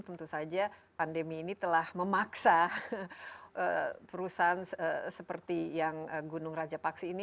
tentu saja pandemi ini telah memaksa perusahaan seperti yang gunung raja paksi ini